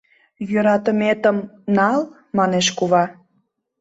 — Йӧратыметым нал, — манеш кува.